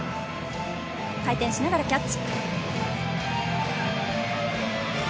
回転しながらキャッチ。